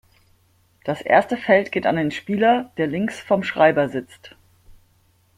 Das erste Feld geht an den Spieler, der links vom Schreiber sitzt.